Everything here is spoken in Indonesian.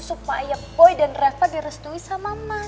supaya boy dan rafa direstui sama mas